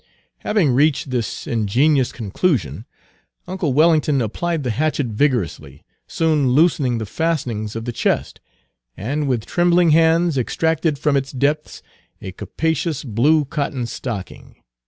Having reached this ingenious conclusion, uncle Wellington applied the hatchet vigorously, soon loosened the fastenings of the chest, and with trembling hands extracted from its depths a capacious blue cotton stocking.